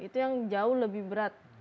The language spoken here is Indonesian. itu yang jauh lebih berat